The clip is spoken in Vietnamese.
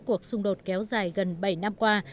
cuộc xung đột kéo dài gần bảy năm qua